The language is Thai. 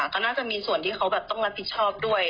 ก็น่าจะมีส่วนที่เขาแบบต้องรับผิดชอบด้วย